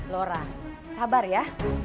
lora sabar ya